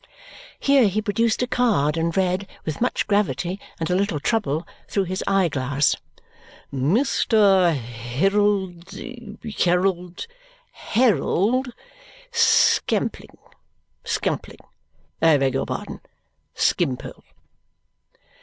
Here he produced a card and read, with much gravity and a little trouble, through his eye glass, "Mr. Hirrold Herald Harold Skampling Skumpling I beg your pardon Skimpole."